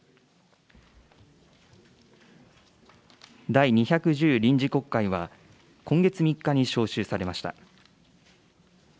第２１０臨時国会は、今月３日に召集されました。